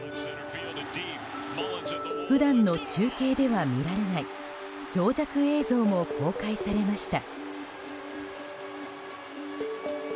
普段の中継では見られない長尺映像も公開されました。